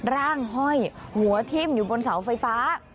ห้อยหัวทิ้มอยู่บนเสาไฟฟ้า